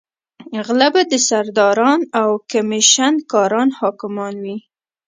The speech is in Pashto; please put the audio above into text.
غله به سرداران او کمېشن کاران حاکمان وي.